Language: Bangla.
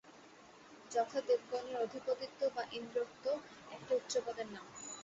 যথা দেবগণের অধিপতিত্ব বা ইন্দ্রত্ব একটি উচ্চপদের নাম।